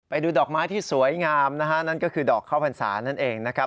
ไปดูดอกไม้ที่สวยงามนะฮะนั่นก็คือดอกข้าวพรรษานั่นเองนะครับ